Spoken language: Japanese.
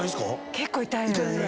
結構痛いよね。